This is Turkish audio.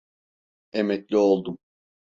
Emekli oldum.